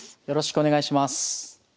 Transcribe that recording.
よろしくお願いします。